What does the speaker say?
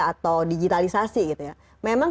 atau digitalisasi gitu ya memang